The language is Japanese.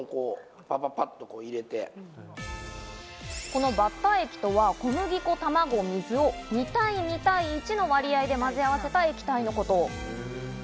このバッター液とは小麦粉、卵、水を２：２：１の割合で混ぜ合わせた液体のこと。